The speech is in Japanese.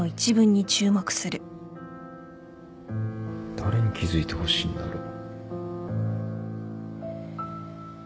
誰に気付いてほしいんだろう。